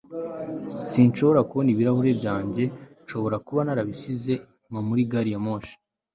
sinshobora kubona ibirahure byanjye. nshobora kuba narabasize inyuma muri gari ya moshi